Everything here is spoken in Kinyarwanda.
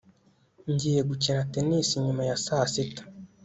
ngiye gukina tennis nyuma ya saa sita